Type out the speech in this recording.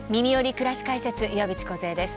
くらし解説」岩渕梢です。